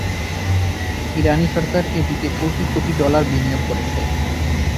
ইরানী সরকার এটিতে কোটি কোটি ডলার বিনিয়োগ করেছে।